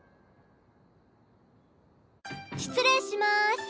失礼しまーす。